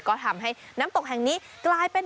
ก็ทำให้น้ำตกแห่งนี้กลายเป็น